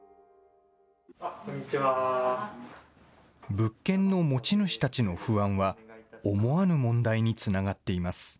物件の持ち主たちの不安は、思わぬ問題につながっています。